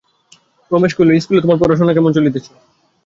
রমেশ কহিল, ইস্কুলে তোমার পড়াশুনা কেমন চলিতেছে?